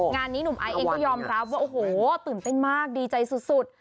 งานนี้หนุ่มไอซ์เองก็ยอมรับว่าโอ้โหตื่นเต้นมากดีใจสุด